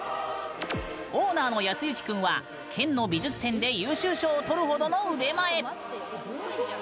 オーナーのやすゆき君は県の美術展で優秀賞をとるほどの腕前。